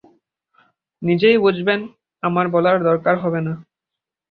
নিজেই বুঝবেন, আমার বলার দরকার হবে না।